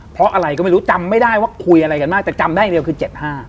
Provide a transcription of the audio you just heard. เพราะอะไรก็ไม่รู้จำไม่ได้ว่าคุยอะไรกันมากแต่จำได้อย่างเดียวคือ๗๕